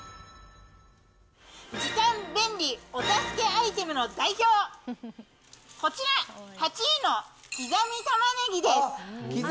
時短、便利、お助けアイテムの代表、こちら、８位の刻みたまねぎです。